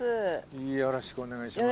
よろしくお願いします。